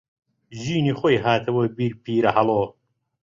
ژینی خۆی هاتەوە بیر پیرەهەڵۆ